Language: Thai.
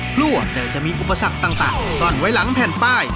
กลัวแต่จะมีอุปสรรคต่างซ่อนไว้หลังแผ่นป้าย